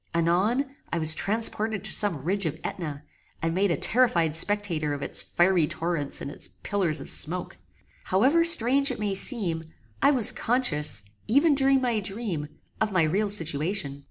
Anon, I was transported to some ridge of AEtna, and made a terrified spectator of its fiery torrents and its pillars of smoke. However strange it may seem, I was conscious, even during my dream, of my real situation.